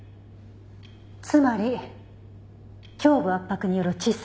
つまり胸部圧迫による窒息死。